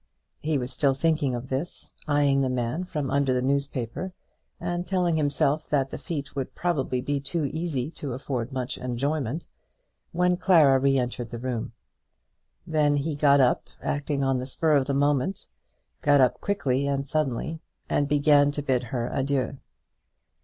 He was still thinking of this, eyeing the man from under the newspaper, and telling himself that the feat would probably be too easy to afford much enjoyment, when Clara re entered the room. Then he got up, acting on the spur of the moment, got up quickly and suddenly, and began to bid her adieu.